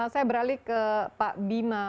saya beralih ke pak bima